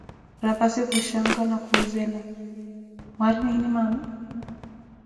Raphassi khushanka na khuzela: Mwari nini mama?